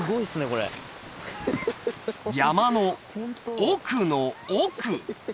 これ山の奥の奥！